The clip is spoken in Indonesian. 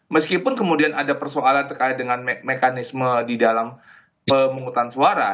meskipun kemudian ada persoalan terkait dengan mekanisme di dalam pemungutan suara